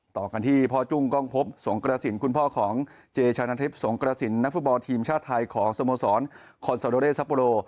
ต่อกันที่พ่อจุ้งกล้องพบสงกระสินคุณพ่อของเจชานทิพย์สงกระสินนักฟุตบอลทีมชาติไทยของสโมสรคอนโซโดเรซัปโปโล